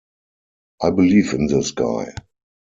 I believe in this guy.